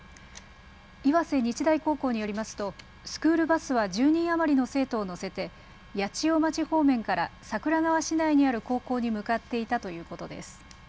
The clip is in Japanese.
岩瀬日大高校によりますとスクールバスは１０人余りの生徒を乗せて八千代町方面から桜川市内にある高校に向かっていたということです。